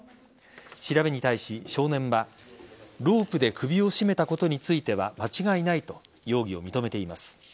調べに対し少年はロープで首を絞めたことについては間違いないと容疑を認めています。